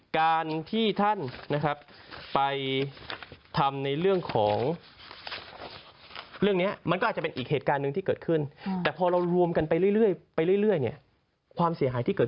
การที่ท่านไปทำในเรื่องของเรื่องนี้